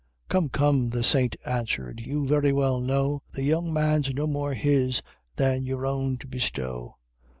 "Come, come," the saint answered, "you very well know The young man's no more his than your own to bestow.